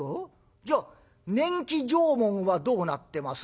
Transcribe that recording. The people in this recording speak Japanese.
じゃあ年季証文はどうなってます？」。